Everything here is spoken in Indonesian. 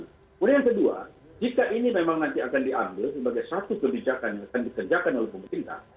kemudian yang kedua jika ini memang nanti akan diambil sebagai satu kebijakan yang akan dikerjakan oleh pemerintah